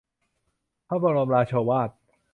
พระบรมราโชวาท